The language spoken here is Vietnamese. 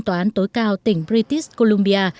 tòa án tối cao tỉnh british columbia